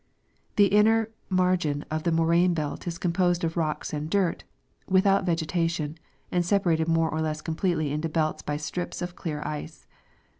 The inner margin* of the moraine belt is composed of rocks and dirt, without vegetation, and separated more or less completely into belts by strij)s of clear ice.